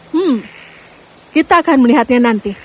hmm kita akan melihatnya nanti